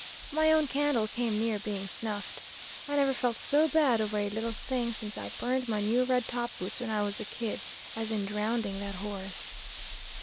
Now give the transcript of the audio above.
My own candle came near being snuffed. I never felt so bad over a little thing since I burned my new red topboots when I was a kid, as in drownding that horse.